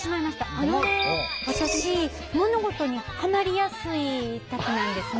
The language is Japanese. あのね私物事にハマりやすいたちなんですね。